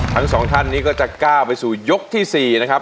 ทั้งสองท่านนี้ก็จะก้าวไปสู่ยกที่๔นะครับ